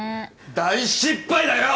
大失敗だよ！